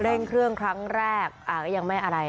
เร่งเครื่องครั้งแรกก็ยังไม่อะไร